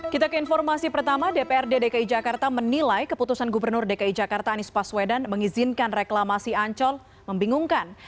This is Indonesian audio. kita ke informasi pertama dprd dki jakarta menilai keputusan gubernur dki jakarta anies paswedan mengizinkan reklamasi ancol membingungkan